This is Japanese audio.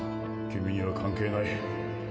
君には関係ない